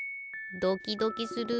ドキドキする。